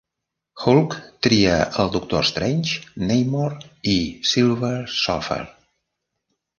Hulk tria el Doctor Strange, Namor i Silver Surfer.